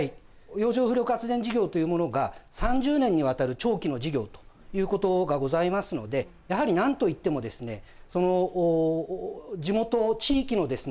洋上風力発電事業というものが３０年にわたる長期の事業ということがございますのでやはり何と言ってもですねその地元地域のですね